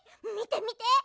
みてみて！